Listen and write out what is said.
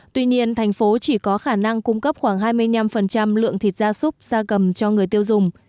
tuy nhiên tp hcm chỉ có khả năng cung cấp khoảng hai mươi năm lượng thịt gia súc gia cầm cho người tiêu dùng